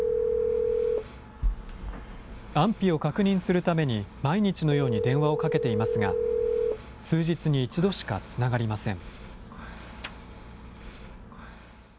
安否を確認するために毎日のように電話をかけていますが数日に１度しかつながりません。